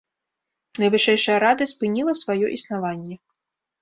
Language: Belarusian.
Найвышэйшая рада спыніла сваё існаванне.